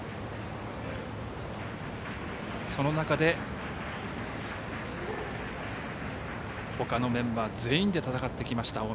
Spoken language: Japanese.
その中で、ほかのメンバー全員で戦ってきました。